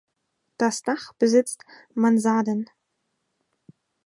Das Dach besitzt Mansarden.